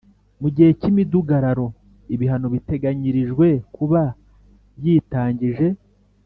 mugihe cy imidugararo ibihano biteganyirijwe kuba yitangije